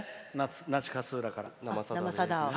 那智勝浦から「生さだ」。